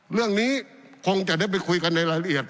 เรื่องนี้คงจะได้ไปคุยกันในรายละเอียด